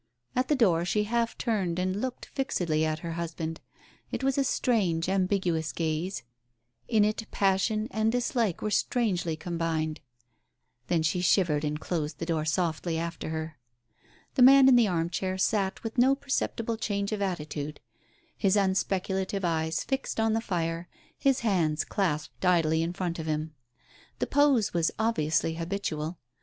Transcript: At the door she half turned and looked fixedly at her husband. It was a strange ambiguous gaze ; in it passion and dislike were strangely combined. Then she shivered arid closed the door softly after her. The man in the arm chair sat with no perceptible change of attitude, his unspeculative eyes fixed on the fire, his hands clasped idly in front of him. The pose was obviously habitual.